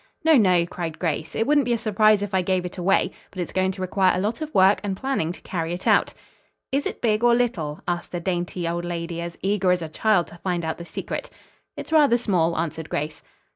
"No, no," cried Grace, "it wouldn't be a surprise if I gave it away. But it's going to require a lot of work and planning to carry it out." "Is it big or little?" asked the dainty old lady as eager as a child to find out the secret. "It's rather small," answered Grace.